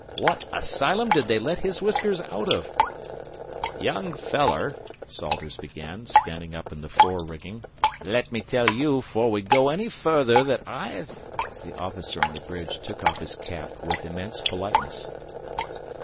"What asylum did they let His Whiskers out of?" "Young feller," Salters began, standing up in the fore rigging, "let me tell yeou 'fore we go any further that I've " The officer on the bridge took off his cap with immense politeness.